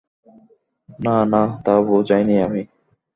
না, না, তা বুঝাইনি আমি।